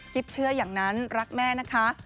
เชื่ออย่างนั้นรักแม่นะคะ